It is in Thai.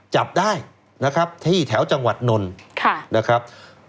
จับได้นะครับที่แถวจังหวัดนนท์นะครับ